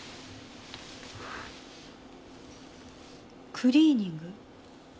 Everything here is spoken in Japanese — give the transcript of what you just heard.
クリーニング？